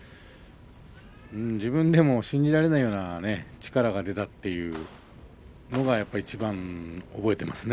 自分でも信じられないようなね力が出たっていうそれがいちばん覚えていますね。